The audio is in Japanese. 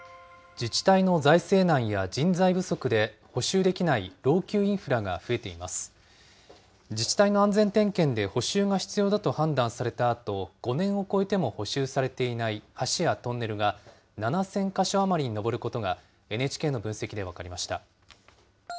自治体の安全点検で補修が必要だと判断されたあと、５年を超えても補修されていない橋やトンネルが７０００か所余りに上ることが、ＮＨＫの分析で分かりました。